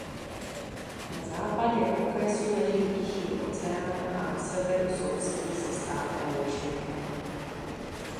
Na západě okresu leží Tichý oceán a na severu sousedí se státem Washington.